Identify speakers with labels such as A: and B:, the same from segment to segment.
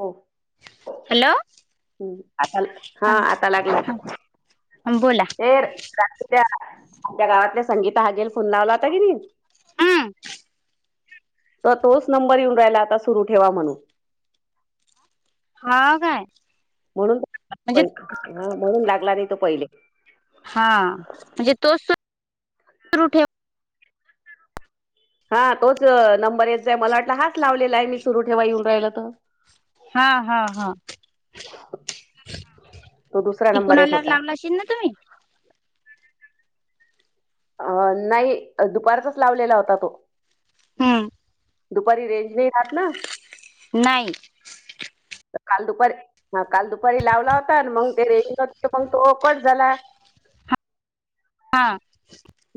A: हो
B: हॅलो
A: हो आता हा आता लागला.
B: अम बोला.
A: हेड रात्री त्या आमच्या गावातल्या संगीता हा गेल फोन लावला होता क नी.
B: आं.
A: तर तोच नंबर येऊन राहिला आता सुरू ठेवा म्हणून.
B: हा काय?
A: म्हणून
B: म्हणजे
A: [unintelligible] म्हणून लागला नाही तो पहिले.
B: हा. म्हणजे तोच सुरू ठेव
A: [unintelligible] हा तोच नंबर येत जाय, मला वाटलं हाच लावलेला आहे मी सुरू ठेवा येऊन राहिलं तर.
B: हा हा हा.
A: तो दुसरा
B: तिकून
A: नंबर येत
B: आल्यावर
A: होता
B: लावलशील ना तुम्ही?
A: अं नाही दुपारचच लावलेला होता तो.
B: हां.
A: दुपारी रेंज नाही राहात ना.
B: नाही.
A: [inaudible] काल दुपारी हा काल दुपारी लावला होता आणि मंग ते [unintelligible] पण तो कट झाला.
B: हां.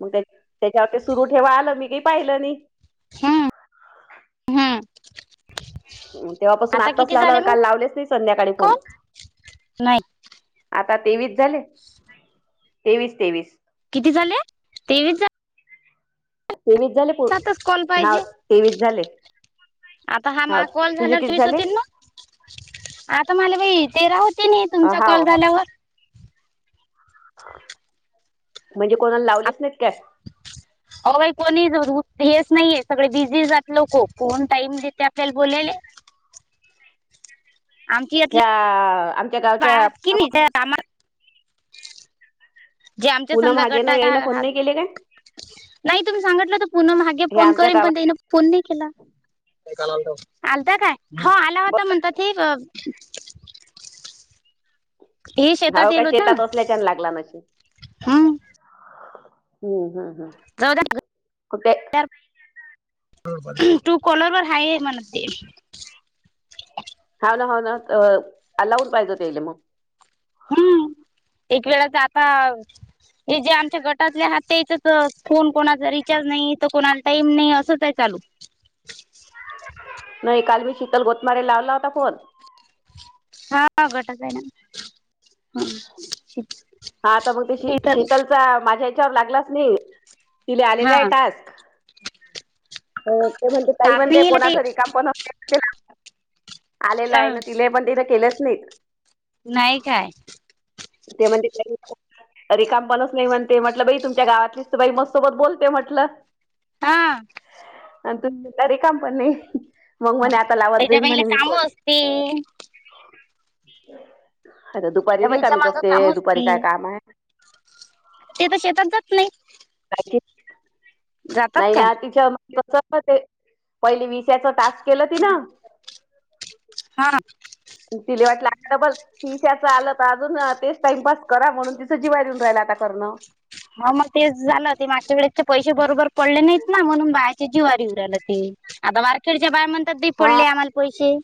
A: मंग त्य त्याच्यावर ते सुरू ठेवा आलं मी काही पाहिलं नाही.
B: हम्म हम्म.
A: तेव्हापासून
B: आता
A: आताच
B: किती झाले
A: लावला
B: मग
A: काल लावलेच नाही संध्याकाळी फोन.
B: कॉल नाही
A: आता तेवीस झाले. तेवीस, तेवीस.
B: किती झाले तेवीस झा
A: तेवीस झाले पूर
B: सातच कॉल पाहिजे
A: हाव तेवीस झाले.
B: आता हा मा कॉल
A: तुझे
B: झाला
A: किती
B: तेवीस
A: झाले
B: होती ना. आता मला बाई तेरा होते ना, हि तुमचा
A: हा
B: कॉल झाल्यावर.
A: म्हणजे कोणाला लावलेच नाहीत काय?
B: अगं बाई कोणी ज जू हेच नाहीये सगळे बिझी जात लोको कोण टाईम देते आपल्याला बोलायले. आमची यातले
A: ह्या आमच्या गावच्या. [inaudible]
B: त्या कामात जे आमच्या
A: पूनम
B: समजा
A: हागेनं
B: गटाट
A: यायनं फोन
B: आहात.
A: नाही केले काय
B: नाही तुम्ही सांगितलं तर पुन्हा मागे
A: हे
B: फोन
A: आमच्या
B: करीन पण
A: गावात
B: त्यानी. कॉल नाही केला? नाही काल आलता ना. आलता काय? हो आला होता
A: ब-
B: म्हणता हे ब हे शेतात
A: हाव का
B: येल होता
A: शेतात असल्याच्यान लागला नशे
B: हम्म
A: हम्म हम्म. हम्म ते
B: जाऊद्या [unintelligible] ट्रू कॉलर वर हाय म्हण ते.
A: हा ना, हा ना लावून पाहिजे तेले मग.
B: हम्म एक वेळाच आता. ज जे आमच्या गटातले हात तेचच फोन कोणाचा रिचार्ज नाही तर कोणाला टाईम नाही असंच आहे चालू.
A: नाही काल मी शीतल गोतमारी लावला होता फोन.
B: हा गटात आहे ना, ओके.
A: हा आता मग, ते शि शीतलचा माझ्या याच्यावर लागलाच नाही. तिला आलेला
B: हा
A: आहे टास्क ते म्हणते काही
B: तार नाही
A: म्हणते
B: येल ते
A: कोणाचा रिकाम पण आलेलं आहे ना तिला पण तिथं केलंच नाहीत.
B: नाही काय.
A: त्यामध्ये काय घेतलं. ररिकाम पणच नाही म्हणते म्हटलं बाई तुमच्या गावातलीच तर बाई मस्सोबत बोलते म्हटलं.
B: हा
A: तुम्ही तरीे काम पण नाही मग म्हणे आता लावत
B: त्याच्या
A: जाईन
B: पहिले
A: म्हणे मी
B: काम
A: फोन.
B: असते
A: अता दुपारी
B: त्या बाईच्या
A: रिकमीच
B: मागं काम
A: असते दुपारी
B: असती
A: काय काम आहे?
B: ते तर शेतात जात नाही.
A: अजे.
B: जातात
A: नाही
B: काय?
A: ना तिच्या ते पहिले विस्याच टास्क केलं ती न.
B: हा
A: अन तिले वाटलं आता डबल. तिशाच आलं तर अजून तेच टाइमपास करा म्हणून तिचं जीवा देऊन राहिला आता करणं.
B: हा मग तेच झालं ते माग्या वेळे ते पैसे बरोबर पडले नाहीत ना म्हणून बाहेची जीवारी उऊड आला ते. आता मार्केडच्या बाहे म्हण तर द
A: हा
B: पडली आम्हाला पैसे.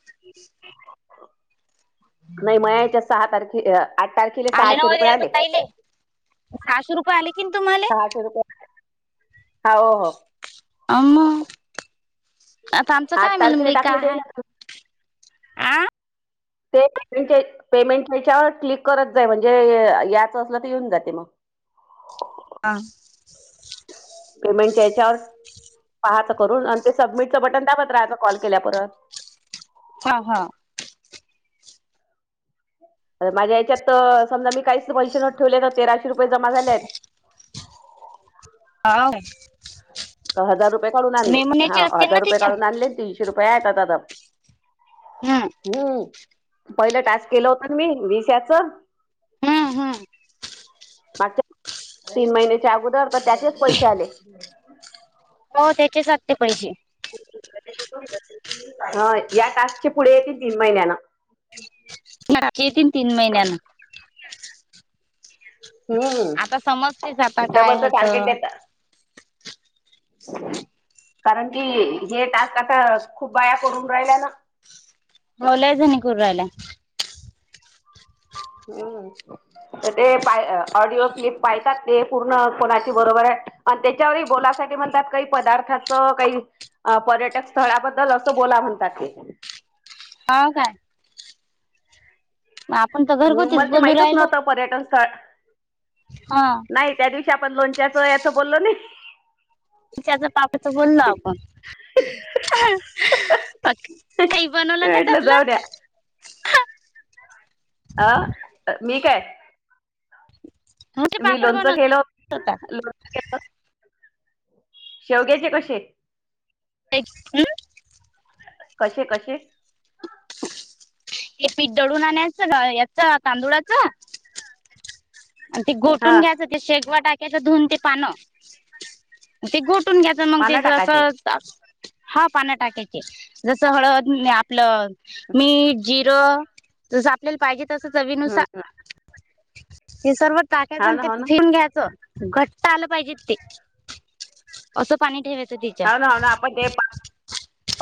A: नाही मणायच्यात सहा तारखे आठ तारखेला सहाशे रुपये आले.
B: सहाशेुये आले की तुम्हाल
A: सहाशे रुपये आ हो हो.
B: अम आता आमचं काय
A: आठ तारखेला
B: मिलंबिका
A: टाकले ते
B: आहे.
A: ना ते पेमेंटच्या पेमेंटच्यावर क्लिक करत जाय म्हणजे याच असलं तर येऊन जाते मग. [inaudible]
B: हा.
A: पेमेंटच्या हेच्यावर पहाचं करून आणि ते सबमिटचं बटन त्या पत राहायचं कॉल केल्या परत.
B: हा हा
A: तर माझ्या याच्यात समजा मी काहीच पैसे न ठेवलेय तर तेराशे रुपये जमा झाले आहेत.
B: हाव काय?
A: हजार रुपये काढून आणले हा
B: असतील ना
A: हजार रुपये
B: तिच्या
A: काढून आणले तीनशे रुपये आहे तदा. हम्म पहिलं टास्क केलं होतं मी विश्याच.
B: हम्म हम्म
A: मागच्या तीन महिन्याच्या अगोदर तर त्याचेच पैसे आले.
B: हो त्याचेच [unintelligible] पैसेे.
A: या टास्कचे पुढे येतील तीन महिन्याना.
B: ना खितीन तन तीन महिन्यान. आता समजतेच आता
A: हम्म
B: काय
A: डबलच
B: हाय तर
A: टार्गेट देत. कारण की हे टास्क आता खूप बाया करून राहिला ना.
B: मग लय करु राहिल्या.
A: हां. ते पाय ऑडिओ क्लिप पायतात ते पूर्ण कोणाची बरोबर आहे आणि त्याच्यावर बोलायसाठी म्हणतात काही पदार्थाचं काही. अ पर्यटक स्थळाबद्दल असं बोला म्हणतात ते.
B: हाव काय. मग आपण तर
A: ह
B: घरगुतीच
A: मला ते
B: बोलू
A: माहितच
B: राहिलो
A: नव्हत पर्यटन स्थळ
B: हा
A: नाही त्या दिवशी. च्या आपण लोणच्याच याच बोललो नाही.
B: तच्याच्या पापच बोललो आपण. पात काही बनवला का
A: म्हटलं जाऊ
B: त्यातलं?
A: द्या आं मी काय
B: म्हणजे
A: मी
B: पापड
A: लोणचं
B: बनवत
A: केलं,
B: होता
A: लोणच केलं शेवग्याचे कसे.
B: [unintelligible]
A: कशे कशे
B: हे पीठ दळून आणणयाचं याचा तांदुळाचं. आणि ते
A: हा
B: गोटुन घ्यायचं ते शेगवा टाकायच धुवून ते पानं ते गोटून घ्या
A: पानं
B: [unintelligible]
A: टाकायचे
B: असं टाक हा पान टाकायचे जसं हळद ने आपलं मीठ जिरं जसं आपल्याला पाहिजे तसं चवीनुसार
A: हम्म
B: ते सर्व टाकायचं
A: हा
B: आणि
A: ना
B: ते
A: हो ना
B: फिरून घ्यायचं. घट्ट आलं पाहिजे ते असं पाणी ठेवायचं ते.
A: हाव ना हाव ना आपण ते पा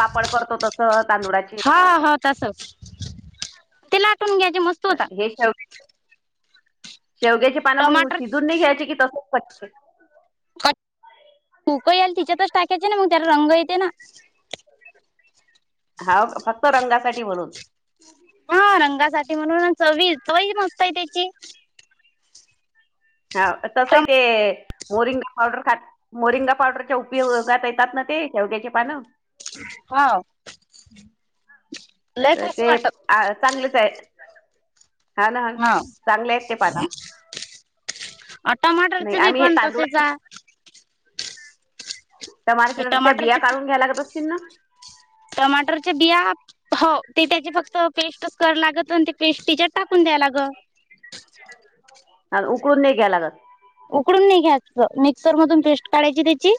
A: पापड करतो तसं तांदुळाची
B: हा हा तसच ते लाटून घ्यायचे मस्
A: हे शेव शेवग्याची पानं मग
B: टमाटर
A: शिजून नाही घ्यायचे की तसं. पटकन.
B: खुकयाल तिच्यातच टाकायचे ना मग त्याला रंग येते ना.
A: हाव फक्त रंगासाठी म्हणून.
B: हा रंगासाठी म्हणून चवी चव ही मस्त आहे त्याची.
A: हा तसं ते मोरिंगा पावडर खात मोरिंगा पावडरच्या उपयोगात काय त्यातात ना ते शेवग्याचे पानं.
B: हाव.
A: तर ते अ चांगलेच आहे. हाव ना हाव
B: हा
A: चांगले आहेत ते पाना.
B: अ टमाटरचे बी पण तसेच
A: तांदुळाच्या
B: आहे.
A: तर
B: हे
A: टमारटरच्या बिया
B: टमाटरचे
A: काढून घ्यायला लागत असतील ना.
B: टमाटर चे बिया हो ते त्याची फक्त पेस्टच करा लागत आणि ते पेस्ट तिच्यात टाकून द्याय लागं.
A: उकडून नाही घ्या लागत.
B: उकडून नाही घ्याच मिक्सर मधून पेस्ट काढायची त्याची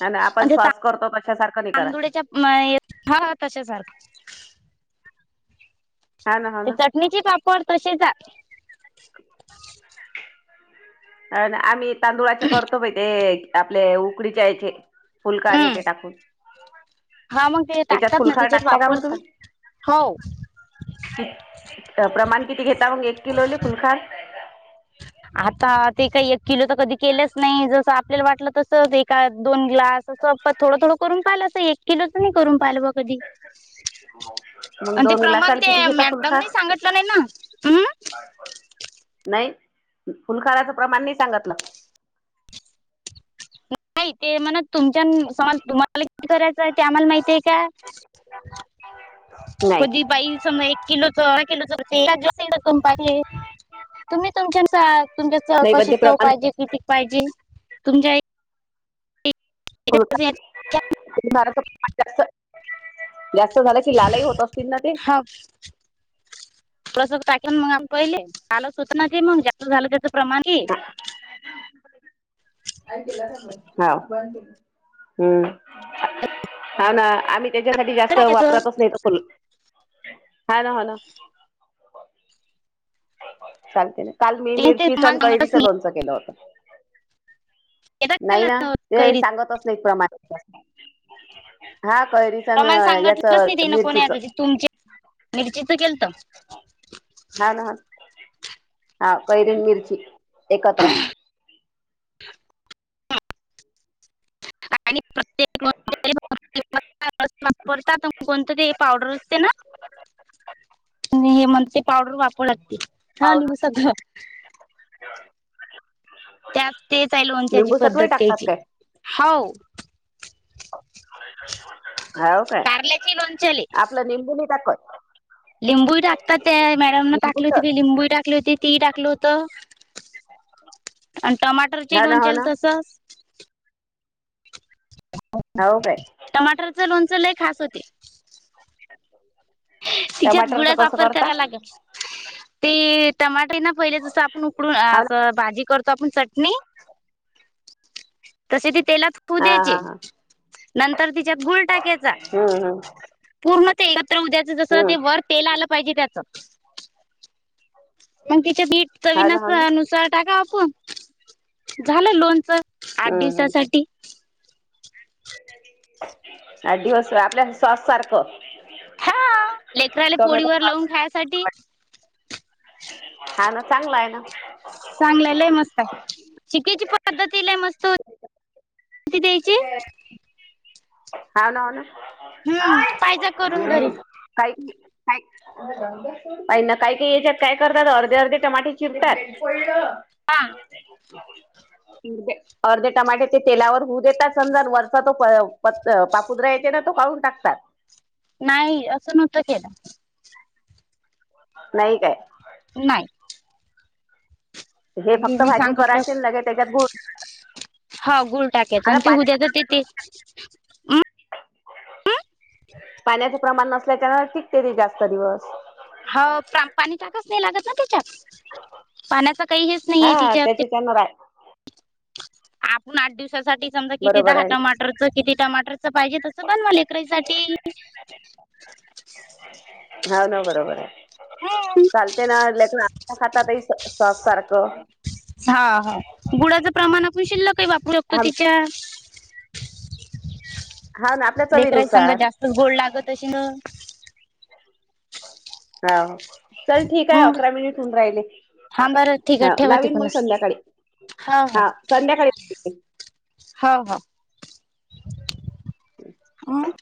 A: आणि नाही आपण सॉस करतो तश सारखं नाही करायचं.
B: माय हा हा तशच झाल.
A: हाव ना हाव ना.
B: निची पापड तशेच आहे.
A: अ आम्ही तांदुळाचे करतो ते. आपले उकडीच्या याचे फुलकार हे
B: हम्म
A: ते टाकून.
B: हा मंग ते
A: याच्यात
B: टाकतात ना
A: फुलखार
B: तिच्यात
A: टाकता का मग तुम्ही?
B: वापरतात हाव.
A: कि त प्रमाण किती घेता मग एक किलोले फुलखाय.
B: आता ते काही एक किलो तर कधी केलंच नाही. जसं आपल्याला वाटलं तस एका दोन ग्लास. चप्पा थोडं- थोडं करून पाहिलंलं एक किलोच नाही करून पाहिलं ब कधी.
A: [inaudible] मग
B: आणि ते
A: दोन
B: प्रमाण
A: ग्लासाला
B: ते
A: किती घेतात
B: मॅडमनी
A: तुमच्यात.
B: सांगितलं नाही ना. हम्म
A: नाही फुल खाचं प्रमाण नाही सांगितलं.
B: नाही ते म्हण तुमच्या समज तुम्हाला किती, करायचं आहे ते आम्हाला माहिती आहे का.
A: [inaudible] नाही.
B: कधी बाई सम एक किलोचा [unintelligible] किलोचां. [unintelligible] सीड कम पाहिले तुम्ही तुमच्या नुसार तुमच्या
A: नाही पण ते
B: चौकशी [unintelligible]
A: प्रमाण
B: पाहिजे किती पाहिजेल तुमच्या
A: हो [unintelligible] फारच प्रमाण जास्त जास्त झालं कि लालही होतं, असतील ना ते.
B: [unintelligible] प्रसग टाकेन मग आम् पहिले, आला सुतना ते मग जास्त झालं त्याचं प्रमाण ये.
A: [inaudible] ह हम्म. हा ना आम्ही त्याच्यासाठी जास्त,
B: टाकायचं
A: वापरतच नाही फुल हा ना हा ना. चालते ना, काल मी
B: ते ते
A: मिरचीच आणि
B: प्रमाण सांगतच
A: कैरीचं
B: नाही
A: लोणचं केलं होत.
B: येतात
A: नाही
B: त्याला
A: ना ते,
B: कैरी
A: सांगतच नाही प्रमाणे. हा कैरी.
B: प्रमाण सांगितलंच नाही तिनं, कोणी या तुमचे मिरचीच केलंत.
A: हा ना, ह हा कैरीन मिरची एकत्र.
B: [inaudible] आणि प्रत्येक,
A: [inaudible]
B: [unintelligible] ते पावडर असते ना. मी म्हणते पावडर वापर लागते, हा
A: पावडर.
B: लिह सगळं. त्यात तेच आहे, लोण त्याची
A: निंबू
B: पद्धत
A: सत्वही टाकतात
B: त्याची
A: काय
B: हांव.
A: हाव काय
B: कारल्याचे लोणच्याले
A: आपलं निंबुनी टाकत.
B: लिंबू टाकतात. त्या मॅडम टाकली
A: निंबूच
B: होती की, लिंबू टाकली होती तीळ टाकलं होतं. आणि टमाटरचे
A: हा ना हो
B: लोणचेल
A: ना
B: तसंच.
A: हो काय.
B: टमाटरचं लोणचं लय खास होते. तिच्यात
A: टमाटरचं
B: गुळ्याच
A: कसं
B: वापर
A: करता
B: करायला लागलं. ते टमाटर ना पहिले जसं, आपण उकडून
A: हा ना
B: असं. भाजी करतो आपण चटणी, तशी ती तेलात.
A: हा
B: पुद्याचे
A: हा हा
B: नंतर तिच्यात गुळ टाकायचा
A: हम्म हम्म
B: पूर्ण ते. उद्याच जसं
A: हम्म
B: ते वर तेल आलं पाहिजे त्याचं, मग तिच बीट. चवी
A: हा ना हो ना
B: नुसार टाका आपून, झालं लोणचं आठ
A: हम्म हम्म
B: दिवसासाठी.
A: अ दिवस आपल्या सॉस सारखं.
B: हा लेकराला
A: टोमॅटो
B: पोळीवर लावून
A: सॉस
B: खायसाठी.
A: हा ना चांगला आहे ना.
B: चांगलय लै मस्त आहे, चिककीची पद्धत ही मस्त होती. किती द्यायचे.
A: होन ना,
B: हम्म पाहिजा करून घरी
A: काही क काही. काही हेच्यात काय करतात, अर्धे अर्धे टमाटर चिरतात.
B: हां..
A: अ अर्धे टमाटे ते तेलावर होऊ देतात, समजा वरचा तो. प पापुद्रा येते ना, तो काढून टाकतात.
B: नाही असं नव्हत केलं.
A: नाही काय.
B: नाही.
A: हे फक्त
B: मी
A: भाजी
B: सांगितलं
A: करायची लगे, त्याच्यात गुंड
B: हांव गुळ टाकायचं आणि ते उद्याच ते ते.
A: पाण्याचे प्रमाण नसल्याच्यान टिकते ती जास्त दिवस.
B: हो पाणी टाकच नाही लागत ना, तिच्यात पाण्याच काही हेच नाहीये
A: हा
B: तिच्या.
A: [unintelligible]
B: आपण आठ दिवसासाठी समजा, किती
A: बरोबर
B: दहा
A: आहे
B: टमाटर. किती टमाटरच पाहिजे, तस बनवा लेकरान साठी.
A: ह ना बरोबर आहे चालते ना, लेकर आ खातातही सॉस सारखं.
B: हा हा गुडाचं प्रमाण आपण शिल्लक काही वापरू शकतो
A: आम-
B: तिच्या.
A: हाव ना आपल्या
B: लेकरा समजा
A: चवीनुसार
B: जास्तच गोड लागत अशी ना.
A: हा. चल ठीक आहे अकरा मिनिट होऊन राहिले
B: हा बरं ठीक आहे
A: हा
B: ठेवा
A: लावीन मग
B: तिकूनच
A: संध्याकाळी.
B: हो
A: हा संध्याकाळी [inaudible] करते.
B: हो. हो. अं.